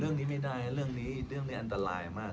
เรื่องนี้ไม่ได้เรื่องนี้เรื่องนี้อันตรายมาก